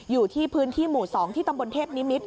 อยู่ที่พื้นที่หมู่๒ที่ตำบลเทพนิมิตร